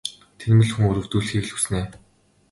Тэнэмэл хүн өрөвдүүлэхийг л хүснэ ээ.